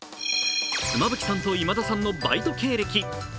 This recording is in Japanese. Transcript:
妻夫木さんと今田さんのバイト経歴。